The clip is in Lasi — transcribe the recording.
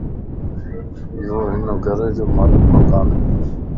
يو ھن گھر جو مالڪ مڪان